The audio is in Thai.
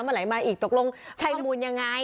เมื่อไหร่มาอีกตกลงข้อมูลยังไง